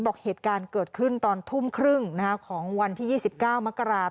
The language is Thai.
บอกเหตุการณ์เกิดขึ้นตอนทุ่มครึ่งของวันที่๒๙มกราคม